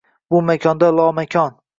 Bu makonda lomakon